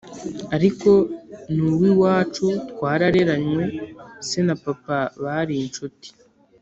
ariko nuwiwacu twarareranwe se na papa barinshuti